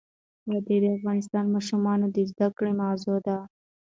وادي د افغان ماشومانو د زده کړې موضوع ده.